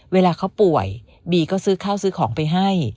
เวลาเขาป่วยบีก็ซื้อข้าวซื้อของไปให้